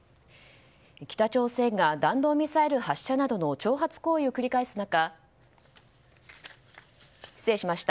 北朝鮮が弾道ミサイル発射などの挑発行為を繰り返す中。